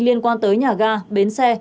liên quan tới nhà ga bến xe